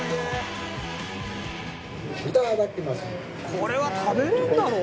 これは食べれんだろう。